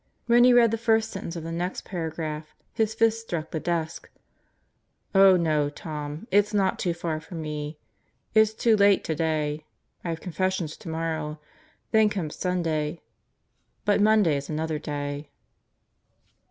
When he read the first sentence of the next paragraph his fist struck the desk. "Oh, no, Tom. It's not too far for me. It's too late today. I have confessions tomorrow. Then comes Sunday. But Monday is another day."